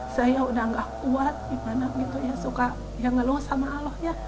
saya udah gak kuat gimana gitu ya suka ya ngeluh sama allah ya